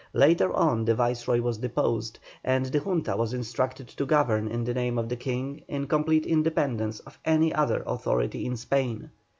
Later on the Viceroy was deposed, and the Junta was instructed to govern in the name of the King in complete independence of any other authority in Spain.